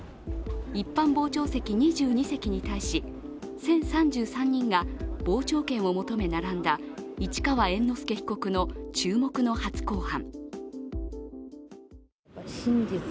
一般傍聴席２２席に対し１０３３人が傍聴券を求め並んだ市川猿之助被告の注目の初公判。